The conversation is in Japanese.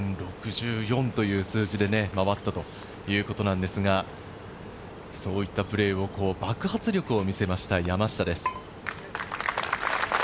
６４という数字で回ったということなんですが、そういったプレーを、爆発力を見せました、山下です。